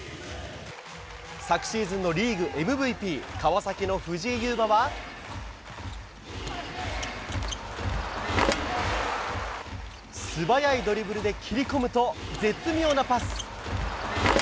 昨シーズンのリーグＭＶＰ、川崎の藤井祐眞は、素早いドリブルで切り込むと、絶妙なパス。